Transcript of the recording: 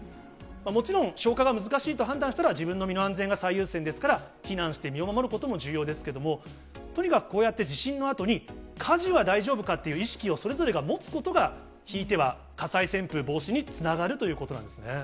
もちろん消火が難しいと判断したら、自分の身の安全が最優先ですから、避難して、身を守ることも重要ですけれども、とにかくこうやって地震のあとに火事は大丈夫かっていう意識をそれぞれが持つことが、ひいては火災旋風防止につながるということなんですね。